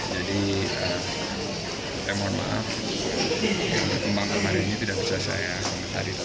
jadi saya mohon maaf kekembangan hari ini tidak bisa saya mengatakan